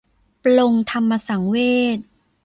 ปลงธรรมสังเวช